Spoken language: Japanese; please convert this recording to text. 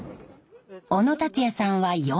小野達也さんは４代目。